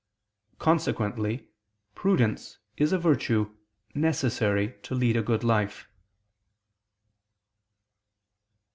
Consequently prudence is a virtue necessary to lead a good life.